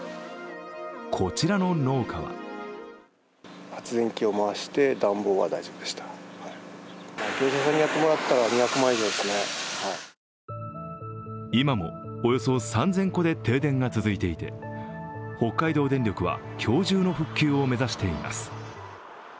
こちらの農家は今もおよそ３０００戸で停電が続いていて北海道電力は今日中の復旧を目指しています。